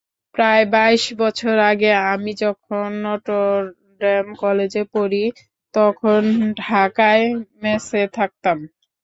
প্রায় বাইশ বছর আগে আমি যখন নটরডেম কলেজে পড়ি তখন ঢাকায় মেসে থাকতাম।